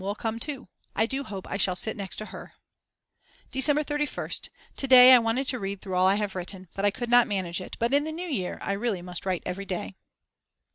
will come too. I do hope I shall sit next to her. December 31st. To day I wanted to read through all I have written, but I could not manage it but in the new year I really must write every day.